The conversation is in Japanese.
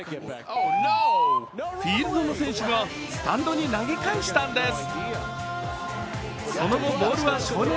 フィールドの選手がスタンドに投げ返したんです。